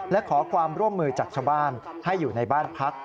และขอความร่วมมือจากชาวบ้านให้อยู่ในบ้านพัก